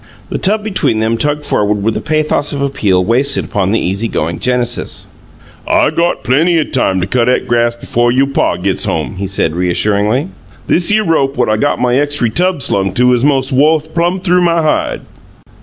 The tub between them tugged forward with a pathos of appeal wasted upon the easy going Genesis. "I got plenty time cut 'at grass befo' you' pa gits home," he said, reassuringly. "Thishere rope what I got my extry tub slung to is 'mos' wo' plum thew my hide."